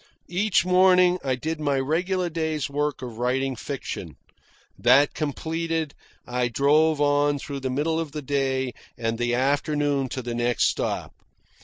Each morning I did my regular day's work of writing fiction. That completed, I drove on through the middle of the day and the afternoon to the next stop.